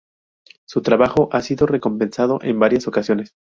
Su trabajo ha sido recompensado en varias ocasiones.